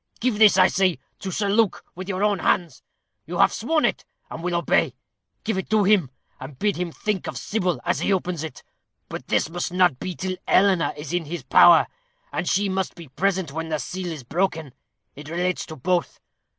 Give this, I say, to Sir Luke, with your own hands. You have sworn it, and will obey. Give it to him, and bid him think of Sybil as he opens it. But this must not be till Eleanor is in his power; and she must be present when the seal is broken. It relates to both.